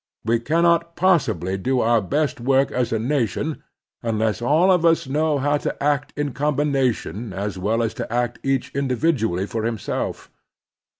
We cannot possibly do our best work as a nation unless all of us know how to act in com bination as well as how to act each individually for himself.